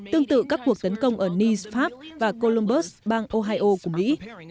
tương tự các cuộc tấn công ở nice pháp và colomberg bang ohio của mỹ